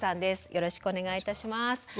よろしくお願いします。